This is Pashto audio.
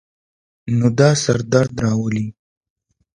نو دا سر درد راولی